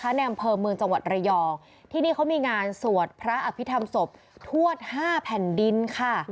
แค่แนวอัมเพิร์นเมืองจังหวัดเรียองที่นี่เขามีงานสวดพระอภิษฐมศพทวชห้าแผ่นดินค่ะ